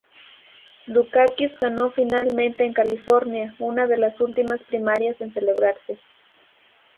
Dukakis ganó finalmente en California, una de las últimas primarias en celebrarse.